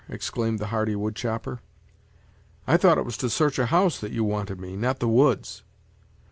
exclaimed the hardy wood chopper; "I thought it was to search a house that you wanted me, not the woods.